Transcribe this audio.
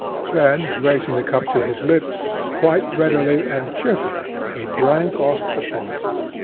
Then raising the cup to his lips, quite readily and cheerfully he drank off the poison.